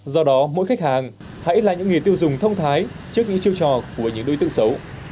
do đó mỗi khách hàng hãy là những người tiêu dùng thông thái trước những chiêu trò của những đối tượng xấu